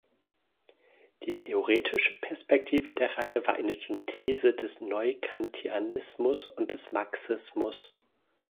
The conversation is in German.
Die theoretische Perspektive der Reihe war eine Synthese des Neukantianismus und des Marxismus.